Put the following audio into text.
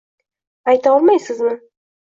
Ayta olmaysizmi?